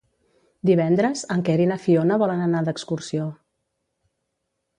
Divendres en Quer i na Fiona volen anar d'excursió.